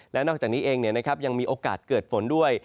และนอกจากนี้เองยังมีโอกาสเกิดฝนด้วย